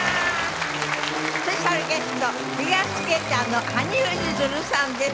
スペシャルゲストフィギュアスケーターの羽生結弦さんです。